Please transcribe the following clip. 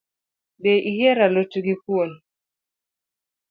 Be ihero a lot gi kuon